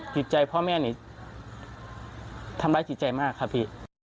จิตใจพ่อแม่นี้ทำร้ายจิตใจมากครับพี่